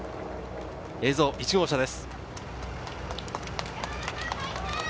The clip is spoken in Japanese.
映像は１号車です。